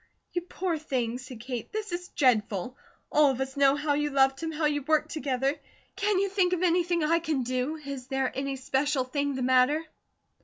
"You poor thing," said Kate. "This is dreadful. All of us know how you loved him, how you worked together. Can you think of anything I can do? Is there any special thing the matter?"